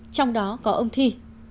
trong đó có ông thi